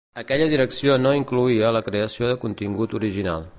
Aquella direcció no incloïa la creació de contingut original.